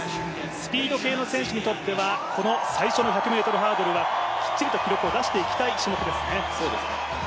スピード系の選手にとっては、最初の１００ｍハードルはきっちりと記録を出していきたい種目ですね。